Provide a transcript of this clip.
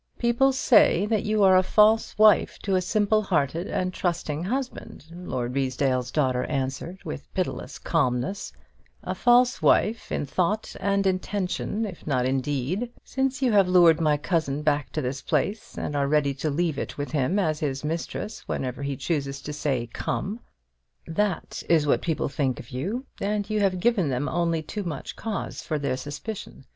"People say that you are a false wife to a simple hearted and trusting husband," Lord Ruysdale's daughter answered, with pitiless calmness; "a false wife in thought and intention, if not in deed; since you have lured my cousin back to this place; and are ready to leave it with him as his mistress whenever he chooses to say 'Come.' That is what people think of you; and you have given them only too much cause for their suspicion.